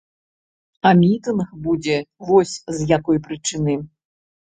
А мітынг будзе вось з якой прычыны.